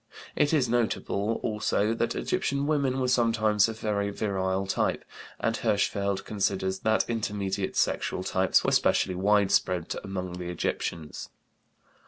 It is notable, also, that Egyptian women were sometimes of very virile type, and Hirschfeld considers that intermediate sexual types were specially widespread among the Egyptians.